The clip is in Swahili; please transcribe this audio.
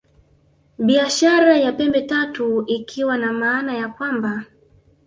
Biashara ya Pembe Tatu ikiwa na maana ya kwamba